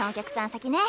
先ね。